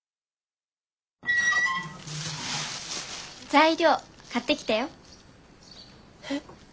材料買ってきたよ。へ？